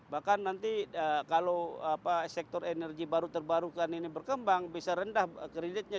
bahkan nanti kalau sektor energi baru terbarukan ini berkembang bisa rendah kreditnya